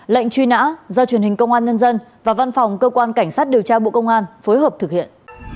lệnh truy nã do truyền hình công an nhân dân và văn phòng cơ quan cảnh sát điều tra bộ công an phối hợp thực hiện